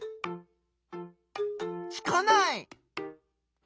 つかない！